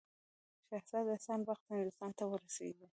شهزاده احسان بخت هندوستان ته ورسیږي.